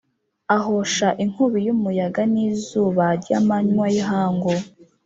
ahosha inkubi y’umuyaga n’izuba ry’amanywa y’ihangu,